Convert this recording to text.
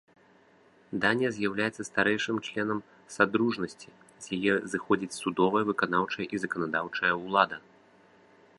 Данія з'яўляецца старэйшым членам садружнасці, з яе зыходзіць судовая, выканаўчая і заканадаўчая ўлада.